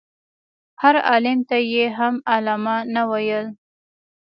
هر عالم ته یې هم علامه نه ویل.